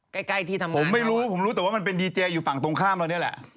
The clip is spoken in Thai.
ใกล้ที่ทำงานเขาวะผมไม่รู้ผมรู้แต่ว่ามันเป็นดีเจอยู่ฝั่งตรงข้ามแล้วเนี่ยแหละ